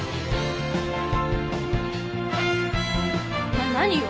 な何よ。